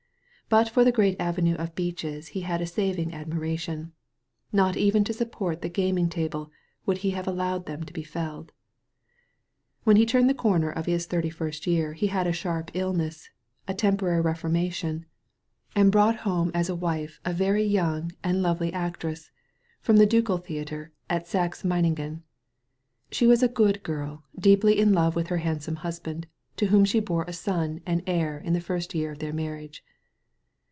But for the great avenue of beeches he had a saving admiration. Not even to support the gaming table would he have allowed them to be felled. When he turned the comer of his thirty first year he had a sharp illness, a temporary reforma tion, and brought home as his wife a very young 41 THE VALLEY OP VISION and lovely actress from the ducal theatre at Saxe Meiningen. She was a good girl, deeply in love with her handsome husband> to whom she bore a son and heir in the first year of their marriage.